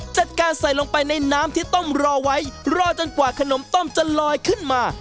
จัดการใส่ลงไปในน้ำที่ต้มรอไว้รอจนกว่าขนมต้มจะลอยขึ้นมา